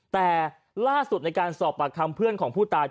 แต่ล่าสุดในการสอบปากคำเพื่อนของผู้ตาย